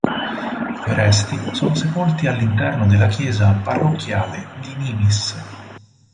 I suoi resti sono sepolti all'interno della chiesa parrocchiale di Nimis.